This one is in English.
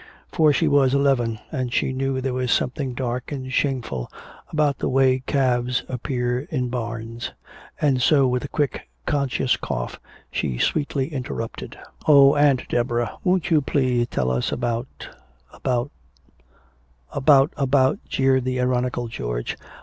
For she was eleven and she knew there was something dark and shameful about the way calves appear in barns. And so, with a quick conscious cough, she sweetly interrupted: "Oh, Aunt Deborah! Won't you please tell us about about " "About about," jeered the ironical George.